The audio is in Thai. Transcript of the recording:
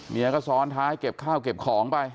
เมียก็ซ้อนท้ายเก็บข้าวเก็บของไป